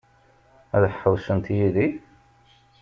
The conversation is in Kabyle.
Ad ḥewwsent yid-i?